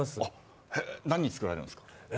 何作られるんですか？